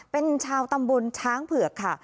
เป็นชาวตำบลช้างเผือกค่ะ